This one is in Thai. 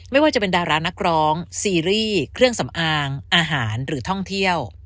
ไม่ว่าจะเป็นดารานักร้องซีรีส์เครื่องสำอางอาหารหรือท่องเที่ยว